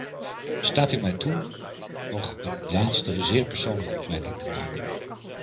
Staat u mij toe nog een laatste, zeer persoonlijke opmerking te maken.